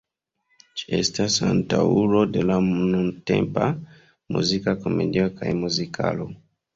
Ĝi estas antaŭulo de la nuntempa muzika komedio kaj muzikalo.